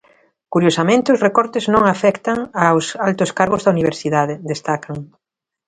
"Curiosamente, os recortes non afecta aos altos cargos da Universidade", destacan.